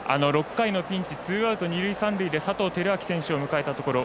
６回のピンチツーアウト、二塁三塁で佐藤輝明選手を迎えたところ。